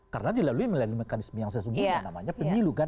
karena dilalui melalui mekanisme yang sesungguhnya namanya pemilu kan